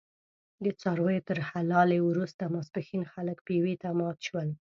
د څارویو تر حلالې وروسته ماسپښین خلک پېوې ته مات شول.